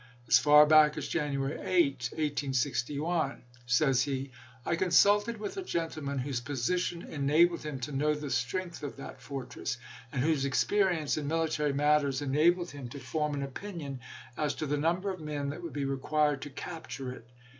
"As far back as ch. xxv. January 8 " (1861), says he, " I consulted with a gentleman whose position enabled him to know the strength of that fortress, and whose experience in military matters enabled him to form an opinion as to the number of men that would be required to capture it.